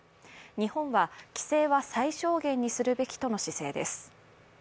日本は規制は最小限にするべきとの姿勢です。